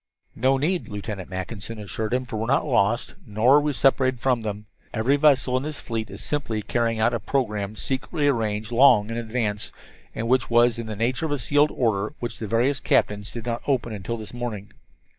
"No need," Lieutenant Mackinson assured him, "for we are not lost, nor are we separated from them. Every vessel in this fleet is simply carrying out a program secretly arranged long in advance, and which was in the nature of a sealed order which the various captains did not open until this morning.